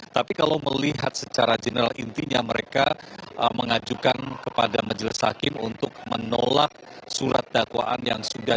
tapi kalau melihat secara general intinya mereka mengajukan kepada majelis hakim untuk menolak surat dakwaan yang sudah